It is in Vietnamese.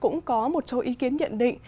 cũng có một số ý kiến nhận định